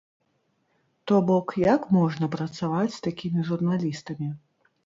То бок, як можна працаваць з такімі журналістамі?